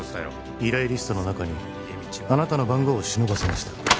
依頼リストの中にあなたの番号を忍ばせました